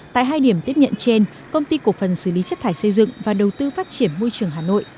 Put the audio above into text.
tại hai điểm tiếp nhận trên công ty cổ phần xử lý chất thải xây dựng và đầu tư phát triển môi trường hà nội